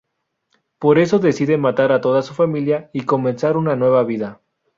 Por eso decide matar a toda su familia y comenzar una nueva vida.